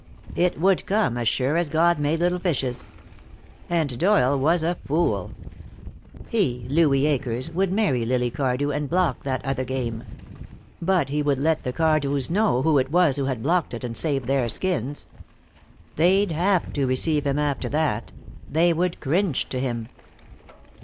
It would come, as sure as God made little fishes. And Doyle was a fool. He, Louis Akers, would marry Lily Cardew and block that other game. But he would let the Cardews know who it was who had blocked it and saved their skins. They'd have to receive him after that; they would cringe to him.